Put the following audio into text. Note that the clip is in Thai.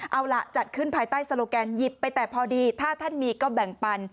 เอาล่ะจัดขึ้นภายใต้โลแกนหยิบไปแต่พอดีถ้าท่านมีก็แบ่งปัน